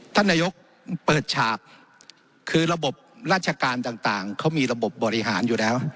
ท่านนายกเปิดฉากคือระบบราชการต่างเขามีระบบบบริหารอยู่แล้ว